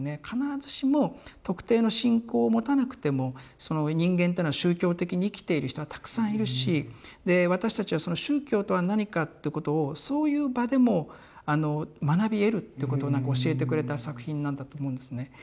必ずしも特定の信仰を持たなくても人間っていうのは宗教的に生きている人はたくさんいるしで私たちは宗教とは何かってことをそういう場でも学び得るってことをなんか教えてくれた作品なんだと思うんですね。